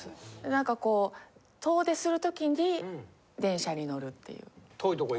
なんかこう遠出するときに電車に乗るっていう。